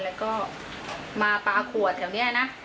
แล้วก็มาปลาขวดแถวนี้นะ